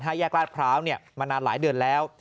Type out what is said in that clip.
แยกลาดพร้าวมานานหลายเดือนแล้ว